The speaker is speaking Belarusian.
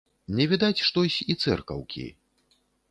Не відаць штось і цэркаўкі.